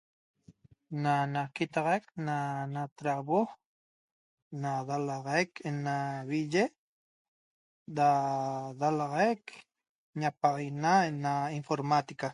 Na naquitaxac na natrauo na dalaxaic ena vi'i'ye da dalaxaic ñapaxaguena ena informática